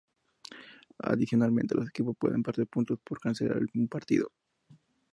Adicionalmente, los equipos pueden perder puntos por cancelar un partido.